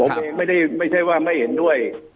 ผมเองไม่ใช่ว่าไม่เห็นด้วย